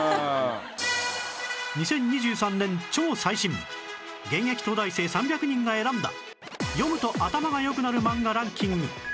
２０２３年超最新現役東大生３００人が選んだ読むと頭が良くなる漫画ランキング